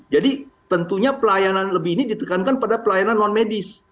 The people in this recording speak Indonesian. jadi tentunya pelayanan lebih ini ditekankan pada pelayanan non medis